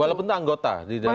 walaupun itu anggota di dalam